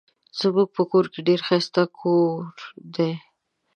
زمونږ په کور کې ډير ښايسته کوور دي